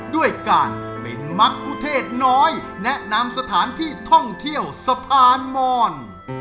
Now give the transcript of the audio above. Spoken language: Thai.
ด้วยการเป็นมักกุเทศน้อยแนะนำสถานที่ท่องเที่ยวสะพานมอน